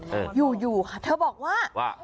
อืมอยู่อยู่ค่ะเธอบอกว่าว่า